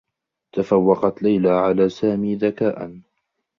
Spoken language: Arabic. تفوّقت ليلى على سامي ذكاءا.